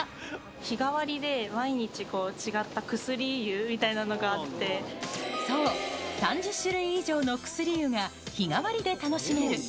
日替わりで毎日、そう、３０種類以上の薬湯が日替わりで楽しめる。